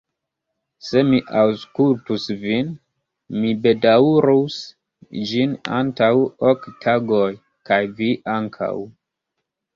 Se mi aŭskultus vin, mi bedaŭrus ĝin antaŭ ok tagoj, kaj vi ankaŭ.